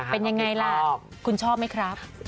เป็นยังไงล่ะคุณชอบไหมครับ